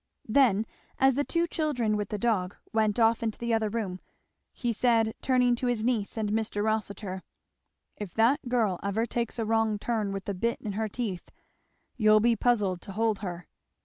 Then as the two children with the dog went off into the other room, he said, turning to his niece and Mr. Rossitur, "If that girl ever takes a wrong turn with the bit in her teeth, you'll be puzzled to hold her.